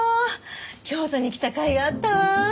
京都に来たかいがあったわ。